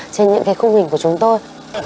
trên những khung hình của chúng tôi